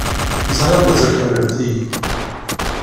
Ẓriɣ mazal tḥemmlemt-iyi.